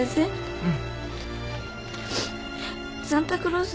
うん。